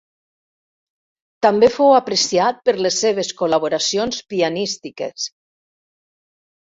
També fou apreciat per les seves col·laboracions pianístiques.